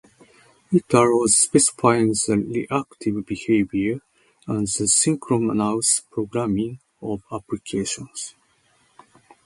It allows specifying the reactive behavior, and the synchronous programming, of applications.